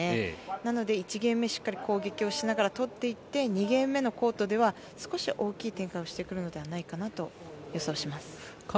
なので、１ゲーム目しっかり攻撃しながら取っていって２ゲーム目のコートでは少し大きい展開をしてくるのではないかと予想します。